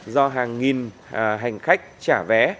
do hàng nghìn hành khách trả vé